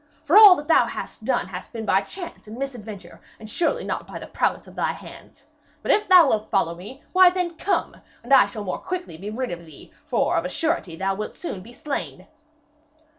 'For all that thou hast done has been by chance and misadventure, and not by the prowess of thy hands. But if thou wilt follow me, why, then, come, and I shall the more quickly be rid of thee, for of a surety thou wilt soon be slain.'